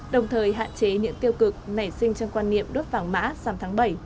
đồng thời hạn chế những tiêu cực nảy sinh trong quan niệm đốt vàng mã giảm tháng bảy